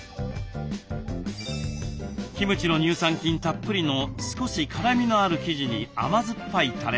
キムチの乳酸菌たっぷりの少し辛みのある生地に甘酸っぱいたれ。